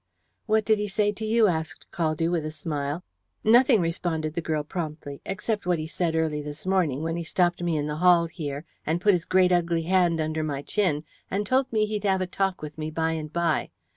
"What did he say to you?" asked Caldew, with a smile. "Nothing," responded the girl promptly, "except what he said early this morning, when he stopped me in the hall here, and put his great ugly hand under my chin, and told me he'd have a talk with me by and by.